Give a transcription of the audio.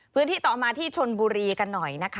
พื้นที่ต่อมาที่ชนบุรีกันหน่อยนะคะ